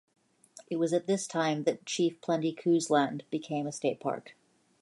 It was at this time that Chief Plenty Coups' land became a state park.